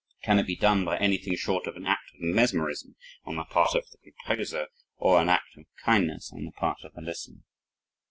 Can it be done by anything short of an act of mesmerism on the part of the composer or an act of kindness on the part of the listener?